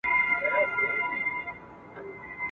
هغه زه یم چي بلېږم له پتنګ سره پیمان یم ..